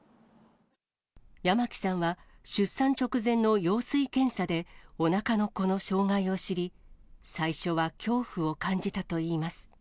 八巻さんは出産直前の羊水検査で、おなかの子の障がいを知り、最初は恐怖を感じたといいます。